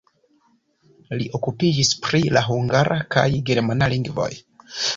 Li okupiĝis pri la hungara kaj germana lingvoj.